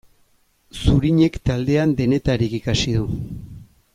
Zurinek taldean denetarik ikasi du.